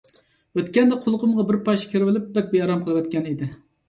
ئۆتكەندە قۇلىقىمغا بىر پاشا كىرىۋېلىپ بەك بىئارام قىلىۋەتكەن ئىدى.